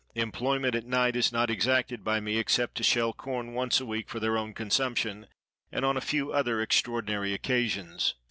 Employment at night is not exacted by me, except to shell corn once a week for their own consumption, and on a few other extraordinary occasions.